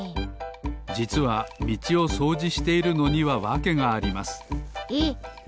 じつはみちをそうじしているのにはわけがありますえ？